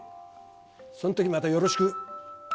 そのときまたよろしく。